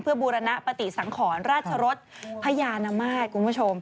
เพื่อบูรณปฏิสังขรรภ์ราชรภรภ์พญานมาศ